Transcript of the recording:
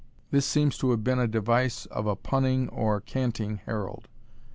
This seems to have been a device of a punning or canting herald.